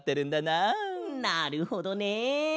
なるほどね。